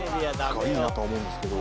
何かいいなと思うんですけど。